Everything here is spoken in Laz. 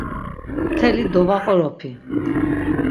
Mteli dovaqoropi.